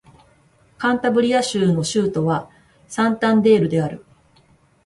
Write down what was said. カンタブリア州の州都はサンタンデールである